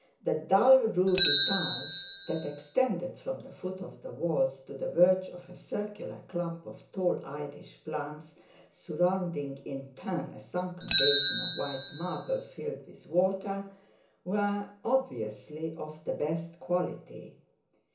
The dull ruby tiles that extended from the foot of the walls to the verge of a circular clump of tall iris plants, surrounding in turn a sunken basin of white marble filled with water, were obviously of the best quality.